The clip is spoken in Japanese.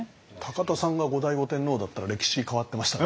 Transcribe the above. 田さんが後醍醐天皇だったら歴史変わってましたね。